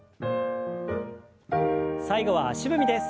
最後は足踏みです。